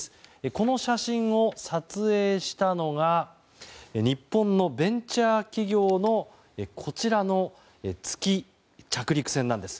この写真を撮影したのが日本のベンチャー企業のこちらの月着陸船なんです。